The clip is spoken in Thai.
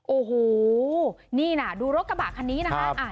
โอ้โหนี่น่ะดูรถกระบะคันนี้นะคะ